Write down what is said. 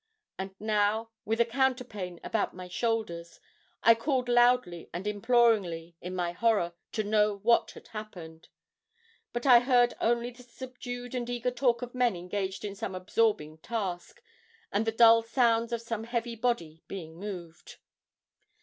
And now, with a counterpane about my shoulders, I called loudly and imploringly, in my horror, to know what had happened. But I heard only the subdued and eager talk of men engaged in some absorbing task, and the dull sounds of some heavy body being moved.